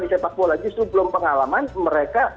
di sepak bola justru belum pengalaman mereka